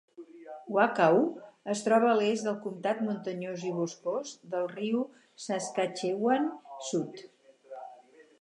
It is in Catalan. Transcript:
Wakaw es troba a l'est del comptat muntanyós i boscós del riu Saskatchewan Sud.